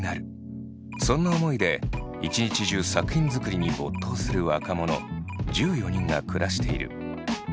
そんな思いで一日中作品づくりに没頭する若者１４人が暮らしている。